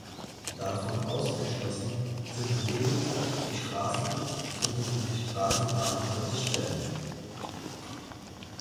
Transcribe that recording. Davon ausgeschlossen sind lediglich die Straßen sowie die Straßenbahnhaltestellen.